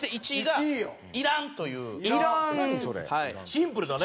シンプルだね。